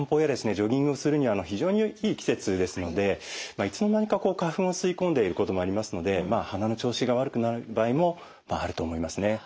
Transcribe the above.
ジョギングするには非常にいい季節ですのでいつの間にか花粉を吸い込んでいることもありますので鼻の調子が悪くなる場合もあると思いますね。